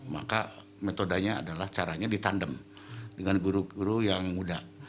maka metodenya adalah caranya ditandem dengan guru guru yang muda